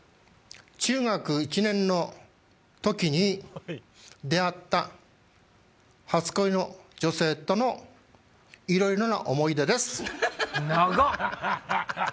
中学１年の時に出会った初恋の女性とのいろいろな思い出です。